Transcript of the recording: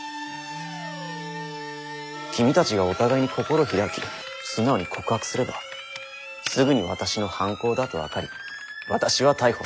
君たちがお互いに心開き素直に告白すればすぐに私の犯行だと分かり私は逮捕される。